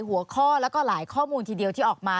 หัวข้อแล้วก็หลายข้อมูลทีเดียวที่ออกมา